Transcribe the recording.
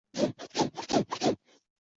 乾隆五十九年任湖南乡试副考官。